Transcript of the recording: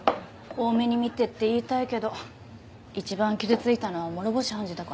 「大目に見て」って言いたいけど一番傷ついたのは諸星判事だからなあ。